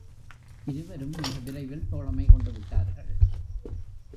இருவரும் மிக விரைவில் தோழமை கொண்டு விட்டார்கள்.